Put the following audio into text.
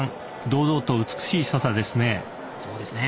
堂々と美しい所作ですね。